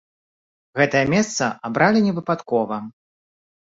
Гэтае месца абралі невыпадкова.